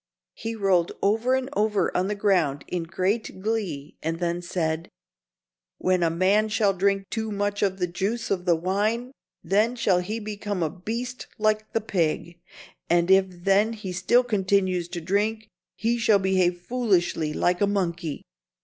He rolled over and over on the ground in great glee and then said: "When a man shall drink too much of the juice of the wine, then shall he become a beast like the pig, and if then he still continues to drink, he shall behave foolishly like a monkey."